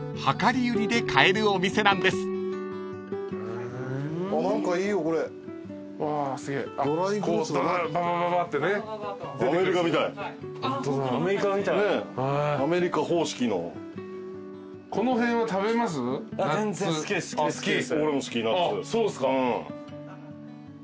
そうっすか。